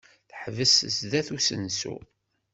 Teḥbes sdat usensu.